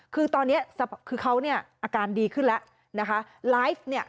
คือตอนนี้คือเขาเนี่ยเขาอาการดีขึ้นแล้วนะคะ